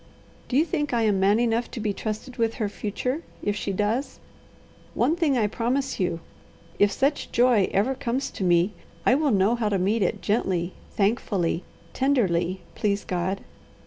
Do you think I am man enough to be trusted with her future, if she does? One thing I promise you: if such joy ever comes to me, I will know how to meet it gently, thankfully, tenderly, please God.